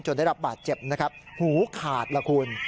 ได้รับบาดเจ็บนะครับหูขาดล่ะคุณ